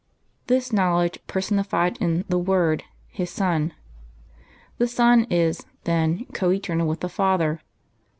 This knowledge per sonified is "the Word," His Son. Tiie Son is, then, co eternal with the Father.